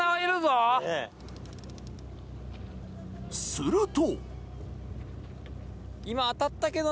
すると。